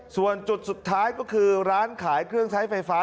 ส่วนจุดสุดท้ายก็คือร้านขายเครื่องใช้ไฟฟ้า